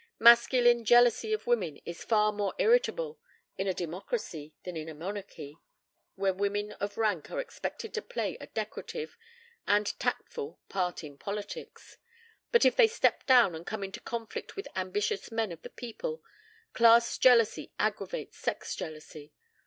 Masculine jealousy of women is far more irritable in a democracy than in a monarchy, where women of rank are expected to play a decorative and tactful part in politics. But if they step down and come into conflict with ambitious men of the people, class jealousy aggravates sex jealousy.